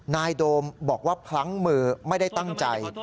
โดมบอกว่าพลั้งมือไม่ได้ตั้งใจ